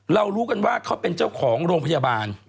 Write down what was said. รู้กันว่าเขาเป็นเจ้าของโรงพยาบาล